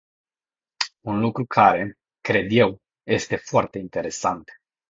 Un lucru care, cred eu, este foarte interesant.